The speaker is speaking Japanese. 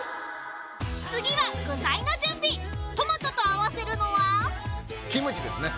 次は具材の準備トマトと合わせるのはキムチですね。